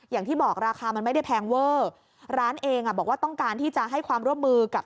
อย่างที่บอกราคามันไม่ได้แพงเวอร์ร้านเองอ่ะบอกว่าต้องการที่จะให้ความร่วมมือกับ